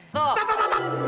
tuh tuh tuh tuh